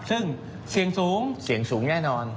ซึ่งเสียงสูงเสี่ยงสูงแน่นอน